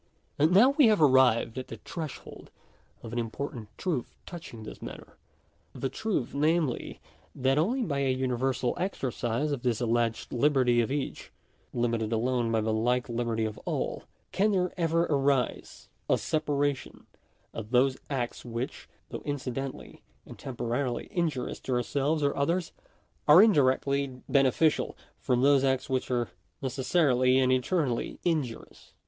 §6. And now we have arrived at the threshold of an important truth touching this matter; the truth namely, that onlyjby a universal exercise of this alleged liberty of each, limited alone by the like liberty of all, can there ever arise a separation of those acts which, though incidentally and temporarily injurious to ourselves or others, are indirectly beneficial, from those acts j which are necessarily and eternally injurious.